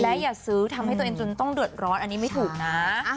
และอย่าซื้อทำให้ตัวเองจนต้องเดือดร้อนอันนี้ไม่ถูกนะ